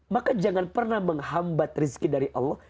maka jangan pernah menghambat rezeki dari allah